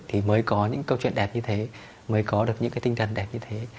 thì mới có những câu chuyện đẹp như thế mới có được những cái tinh thần đẹp như thế